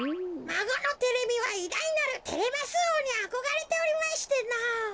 まごのテレミはいだいなるテレマスおうにあこがれておりましてのぉ。